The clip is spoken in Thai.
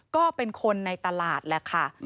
ก็เป็นคนในตลาดแหละค่ะ